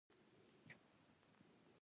د ننګرهار د زیتون فابریکه فعاله ده.